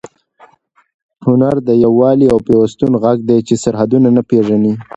هنر د یووالي او پیوستون غږ دی چې سرحدونه نه پېژني.